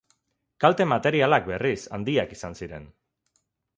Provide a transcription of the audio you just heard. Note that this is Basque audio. Kalte materialak, berriz, handiak izan ziren.